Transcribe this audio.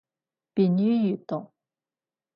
便于阅读